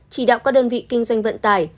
chỉ đạo các đơn vị kinh doanh vận tải